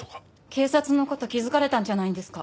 警察の事気づかれたんじゃないんですか？